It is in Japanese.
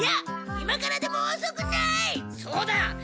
今からでもおそくない！